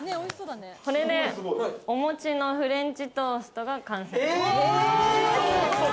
これで、お餅のフレンチトーストが完成です。